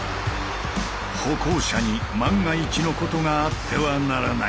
歩行者に万が一のことがあってはならない。